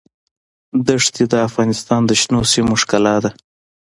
ښتې د افغانستان د شنو سیمو ښکلا ده.